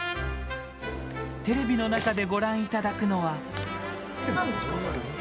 テレビの中でご覧いただくのは。